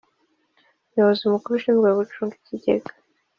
Umuyobozi Mukuru ushinzwe gucunga ikigenga